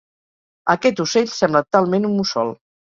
Aquest ocell sembla talment un mussol.